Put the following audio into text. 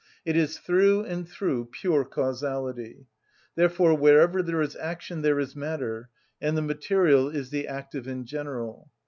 It is through and through pure causality. Therefore wherever there is action there is matter, and the material is the active in general.